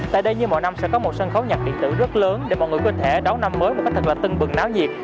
tại đây như mọi năm sẽ có một sân khấu nhạc điện tử rất lớn để mọi người có thể đón năm mới một cách thành lập từng bừng náo nhiệt